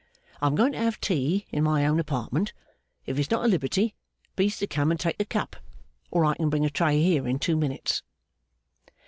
I'm going to have tea in my own apartment. If it's not a liberty, please to come and take a cup. Or I can bring a tray here in two minutes.